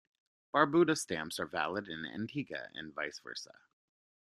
Barbuda stamps are valid in Antigua and vice versa.